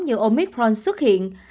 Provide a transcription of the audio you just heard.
như omicron xuất hiện